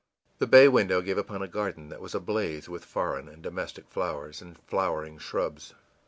The bay window gave upon a garden that was ablaze with foreign and domestic flowers and flowering shrubs.